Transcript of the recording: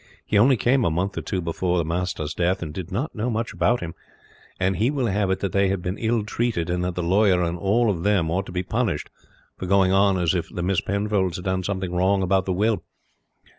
He only came a month or two before master's death and did not know much about him, and he will have it they have been ill treated, and that the lawyer and all of them ought to be punished for going on as if the Miss Penfolds had done something wrong about the will.